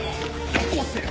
よこせよ！